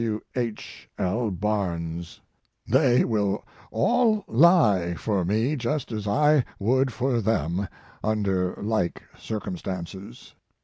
W. H. L. Barnes. They will all He for me just as I would for them under like circumstances."